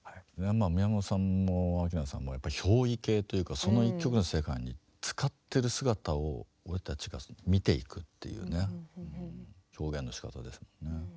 宮本さんも明菜さんも憑依系というかその一曲の世界につかってる姿を俺たちが見ていくっていうね表現のしかたですよね。